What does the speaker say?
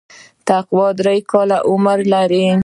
تقوا درې کاله عمر لري.